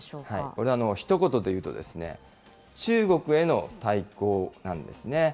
これ、ひと言で言うと、中国への対抗なんですね。